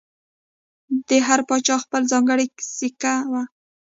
د هر پاچا خپله ځانګړې سکه وه